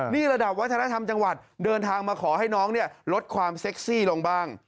นี่ระดับวัฒนธรรมจังหวัดเดินทางมาขอให้น้องลดความเซ็กซี่ลงบ้าง